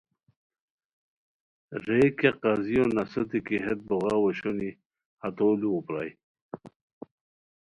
رے کیہ قاضیو نسوتے کی ہیت بوغاؤ اوشونی ہتو لوؤ پرائے